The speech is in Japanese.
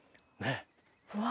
うわ！